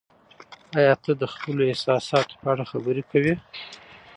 ایا ته د خپلو احساساتو په اړه خبرې کوې؟